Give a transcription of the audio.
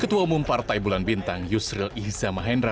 ketua umum partai bulan bintang yusril iza mahendra